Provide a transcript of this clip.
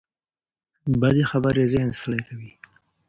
بدې خبرې ذهن ستړي کوي